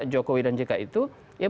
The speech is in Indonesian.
jokowi dan jk itu ya